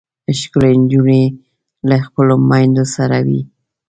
ښکلې نجونې له خپلو میندو سره وي.